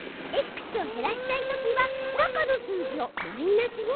Ｘを減らしたいときは中の数字をマイナスに。